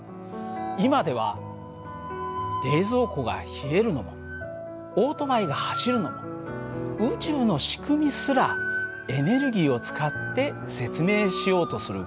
今では冷蔵庫が冷えるのもオートバイが走るのも宇宙の仕組みすらエネルギーを使って説明しようとする。